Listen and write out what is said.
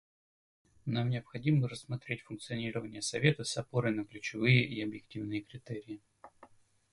Нам необходимо рассмотреть функционирование Совета с опорой на ключевые и объективные критерии.